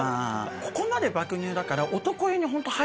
ここまで爆乳だから。